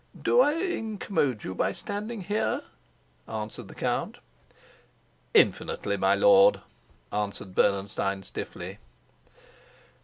"Do I incommode you by standing here?" answered the count. "Infinitely, my lord," answered Bernenstein stiffly.